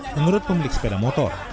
menurut pemilik sepeda motor